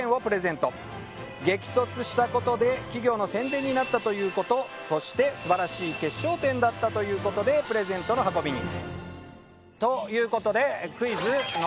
激突した事で企業の宣伝になったという事そして素晴らしい決勝点だったという事でプレゼントの運びに。という事で。